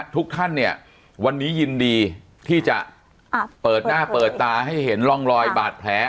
ทุกท่านเนี่ยวันนี้ยินดีที่จะเปิดหน้าเปิดตาให้เห็นร่องรอยบาดแผล